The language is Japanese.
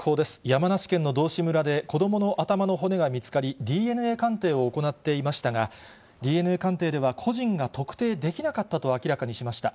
山梨県の道志村で子どもの頭の骨が見つかり、ＤＮＡ鑑定を行っていましたが、ＤＮＡ鑑定では個人が特定できなかったと明らかにしました。